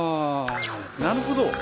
なるほど！